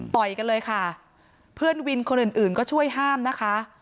ต่อยกันเลยค่ะเพื่อนวินคนอื่นอื่นก็ช่วยห้ามนะคะ